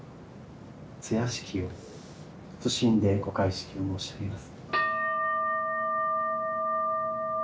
通夜式を謹んでご開式申し上げます。